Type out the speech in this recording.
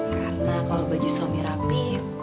karena kalau baju suami rapi